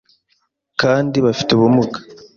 kandi bafite ubumuga